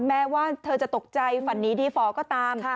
แม้ว่าเธอจะตกใจฝันหนีดีฝ่อก็ตาม